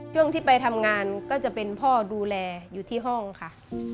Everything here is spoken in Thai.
ช่วงที่ไปทำงานก็จะเป็นพ่อดูแลอยู่ที่ห้องค่ะ